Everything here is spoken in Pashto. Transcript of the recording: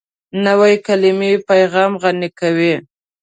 نوې کلیمه پیغام غني کوي